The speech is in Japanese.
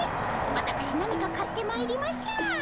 わたくし何か買ってまいりましょう。